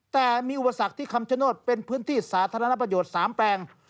แต่มีอุปสรรคที่คำชโนธเป็นพื้นที่สาธารณประโยชน์๓แปลง